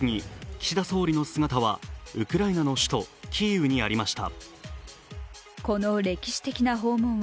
岸田総理の姿はウクライナの首都キーウにありました。